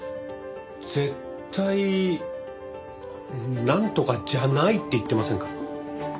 「絶対なんとかじゃない」って言ってませんか？